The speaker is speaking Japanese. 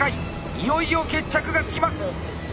いよいよ決着がつきます！